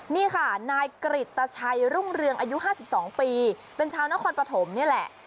นี่ค่ะนายกริตตชัยรุ่งเรืองอายุ๕๒ปีเป็นชาวนครปฐมนี่แหละ